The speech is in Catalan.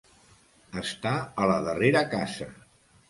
Estar a la darrera casa.